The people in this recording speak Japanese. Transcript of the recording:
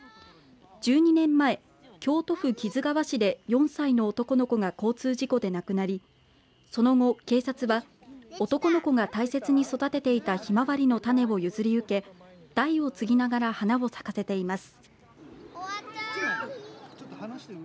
１２年前京都府木津川市で４歳の男の子が交通事故で亡くなりその後、警察は男の子が大切に育てていたひまわりの種を譲り受け代を継ぎながら花を咲かせています。